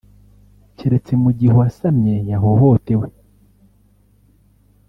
keretse mu gihe uwasamye yahohotewe